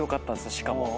しかも。